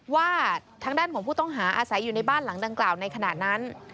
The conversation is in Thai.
ว่าทางด้านของผู้ต้องหาอาศัยอยู่ในบ้านหลังดังกล่าวในขณะนั้น